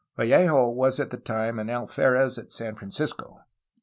Vallejo was at the time an alferez at San Francisco.